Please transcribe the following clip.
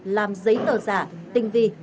làm giấy tờ giả tinh vi